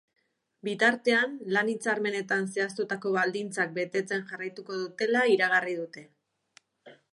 Bitartean, lan-hitzarmenetan zehaztutako baldintzak betetzen jarraituko dutela iragarri dute.